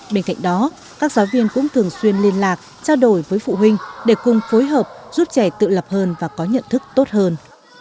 bên cạnh đó các giáo viên cũng thường xuyên liên lạc trao đổi với phụ huynh để cùng phối hợp giúp trẻ tự lập hơn và có nhận thức tốt hơn